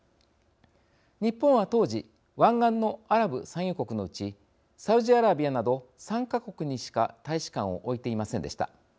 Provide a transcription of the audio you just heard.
日本は当時湾岸のアラブ産油国のうちサウジアラビアなど３か国にしか大使館を置いていませんでした。